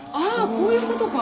こういうことか。